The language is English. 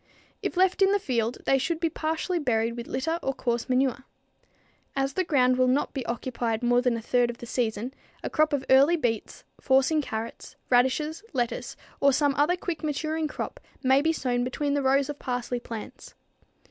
If left in the field, they should be partially buried with litter or coarse manure. As the ground will not be occupied more than a third of the second season, a crop of early beets, forcing carrots, radishes, lettuce or some other quick maturing crop may be sown between the rows of parsley plants.